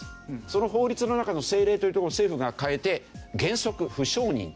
その法律の中の政令というところ政府が変えて原則不承認。